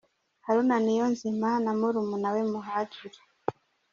Haruna Niyonzima na murumuna we Muhadjili.